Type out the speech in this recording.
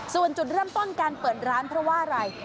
ส่วนจุดเริ่มต้นการเปิดร้านเพราะว่าอะไร